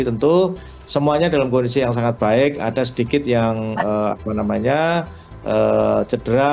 tentu semuanya dalam kondisi yang sangat baik ada sedikit yang cedera